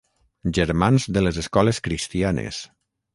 Germans de les escoles cristianes.